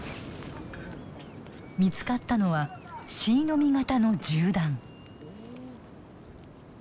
見つかったのはシイの実形の銃弾。